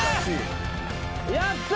やった！